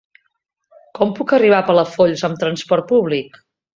Com puc arribar a Palafolls amb trasport públic?